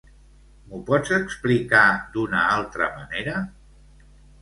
M'ho pots explicar d'una altra manera?